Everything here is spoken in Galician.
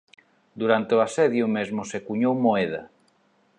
Durante o asedio mesmo se cuñou moeda.